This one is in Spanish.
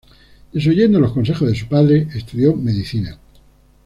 Desoyendo los consejos de su padre estudió medicina.